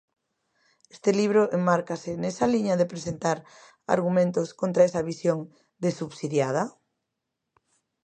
Este libro enmárcase nesa liña de presentar argumentos contra esa visión de 'subsidiada'?